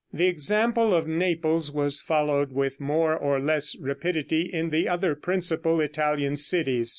The example of Naples was followed with more or less rapidity in the other principal Italian cities.